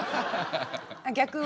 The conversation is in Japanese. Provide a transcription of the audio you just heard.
逆を。